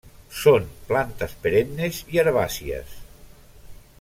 Són plantes perennes i herbàcies.